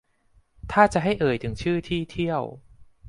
ถ้าจะให้เอ่ยชื่อที่เที่ยว